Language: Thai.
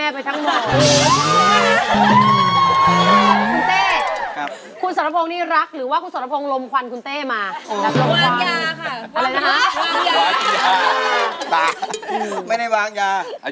เป็นคนต่อ๑๘อายุ๑๘คนเล็ก๑๕แต่งงานมา๑๔ปี